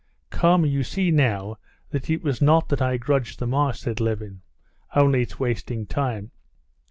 "Come, you see now that it was not that I grudged the marsh," said Levin, "only it's wasting time."